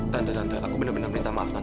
tante tante aku bener bener minta maaf